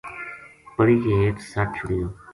پڑی کے ہیٹھ سَٹ چھُڑیو